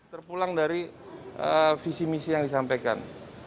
terpulang dari visi misi yang disampaikan